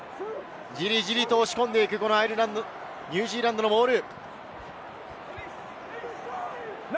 じりじりと押し込んでいく、ニュージーランドのモール。